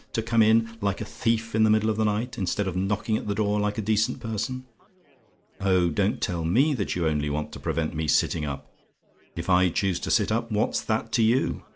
To come in, like a thief in the middle of the night, instead of knocking at the door like a decent person! Oh, don't tell me that you only want to prevent me sitting up if I choose to sit up what's that to you?